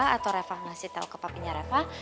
atau reva ngasih tau ke papinya reva